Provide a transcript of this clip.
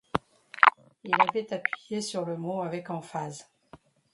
Il avait appuyé sur le mot avec emphase.